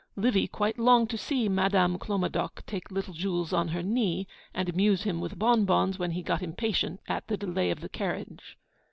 Livy quite longed to see Madame Clomadoc take little Jules on her knee, and amuse him with bonbons when he got impatient at the delay of the carriage.